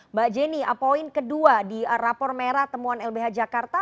mbak jenny poin kedua di rapor merah temuan lbh jakarta